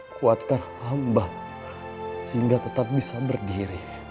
kuatkan hamba sehingga tetap bisa berdiri